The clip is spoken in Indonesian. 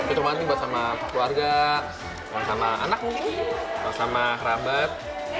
itu manis buat sama keluarga buat sama anak buat sama kerabat